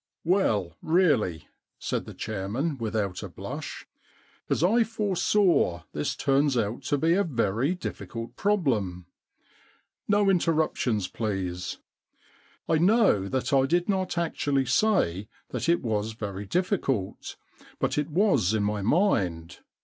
* Well, really,' said the chairman, without 194 The Threepenny Problem a blush, * as I foresaw, this turns out to be a very difficult problem. No interruptions, please. I know that I did not actually say that it was very difficult, but it was in my mind.